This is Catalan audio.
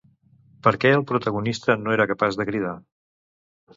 Per què el protagonista no era capaç de cridar?